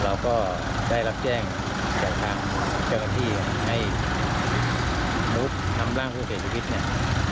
เราก็ได้รับแจ้งจากทางเจ้าหน้าที่ให้รถนำร่างผู้เสียชีวิตเนี่ย